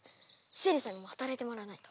シエリさんにも働いてもらわないと。